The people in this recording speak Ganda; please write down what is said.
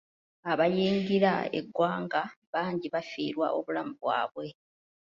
Abayingira eggwanga bangi baafiirwa obulamu bwabwe.